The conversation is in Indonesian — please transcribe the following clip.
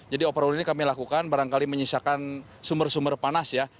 jadi overhaul ini kami lakukan barangkali menyisakan sumber sumber panas ya